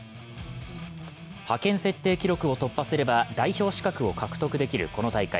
派遣設定記録を突破すれば代表資格を獲得できるこの大会。